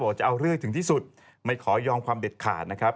จะเอาเรื่องให้ถึงที่สุดไม่ขอยอมความเด็ดขาดนะครับ